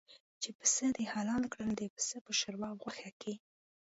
چې پسه دې حلال کړ د پسه په شوروا او غوښه کې.